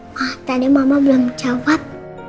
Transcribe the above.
ma tadi mama belum jawab